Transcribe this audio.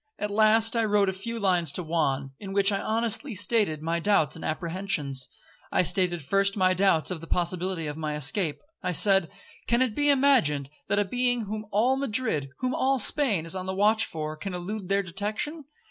At last I wrote a few lines to Juan, in which I honestly stated my doubts and apprehensions. I stated first my doubts of the possibility of my escape. I said, 'Can it be imagined that a being whom all Madrid, whom all Spain, is on the watch for, can elude their detection?